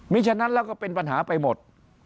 มีฉะนั้นแล้วก็เป็นปัญหาไปหมด